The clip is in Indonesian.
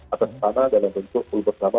atas tanah dalam bentuk full bersama